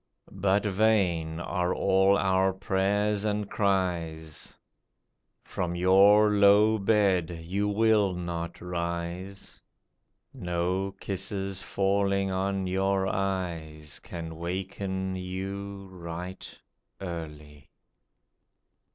But vain are all our prayers and cries ; From your low bed you will not rise ; No kisses falling on your eyes, Can waken you right early.